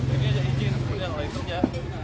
ini aja izin sebetulnya lagi kerja